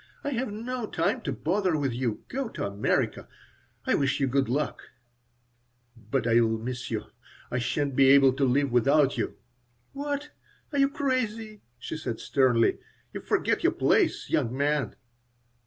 "I have no time to bother with you. Go to America. I wish you good luck." "But I'll miss you. I sha'n't be able to live without you." "What? Are you crazy?" she said, sternly. "You forget your place, young man!"